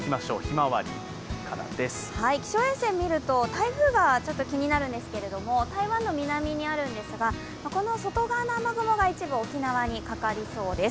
気象衛星を見ると台風が気になるんですけど台湾の南にあるんですが、外側の雲が沖縄にかかりそうです。